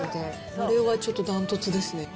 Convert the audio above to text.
これはちょっと断トツですね。